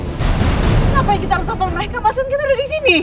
gapapa kita ngetelpon mereka pas kan kita udah disini